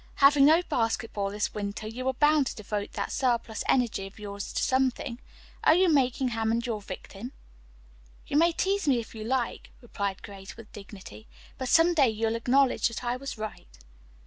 "Having no basketball this winter you are bound to devote that surplus energy of yours to something. Are you making Hammond your victim?" "You may tease me if you like," replied Grace with dignity, "but some day you'll acknowledge that I was right."